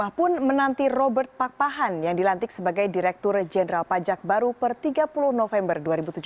pun menanti robert pakpahan yang dilantik sebagai direktur jenderal pajak baru per tiga puluh november dua ribu tujuh belas